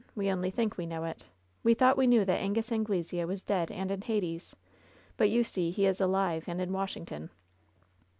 We only think we know it* We thought we knew that Angus Anglesea was dead and in Hades. But you see he is alive, and in Washington."